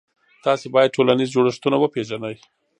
تاسې باید ټولنیز جوړښتونه وپېژنئ.